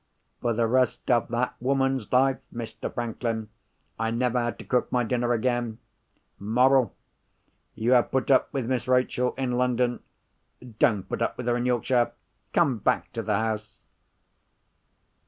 For the rest of that woman's life, Mr. Franklin, I never had to cook my dinner again! Moral: You have put up with Miss Rachel in London; don't put up with her in Yorkshire. Come back to the house!"